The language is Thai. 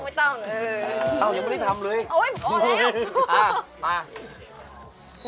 ไม่ต้อง